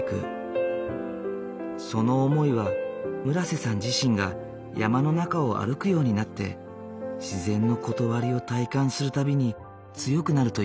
その思いは村瀬さん自身が山の中を歩くようになって自然の理を体感する度に強くなるという。